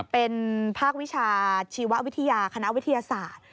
เป็นภาควิชาชีววิทยาคณะวิทยาศาสตร์